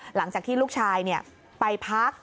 หลังจากที่ลูกชายไปพัก